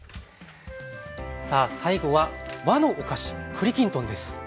さあ最後は和のお菓子栗きんとんです。